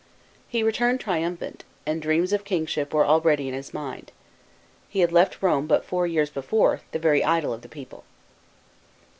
He returned triumphant, and dreams of kingship were already in his mind. He had left Rome but four years before, the very idol of the people.